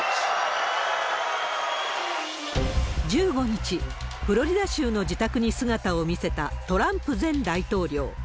１５日、フロリダ州の自宅に姿を見せたトランプ前大統領。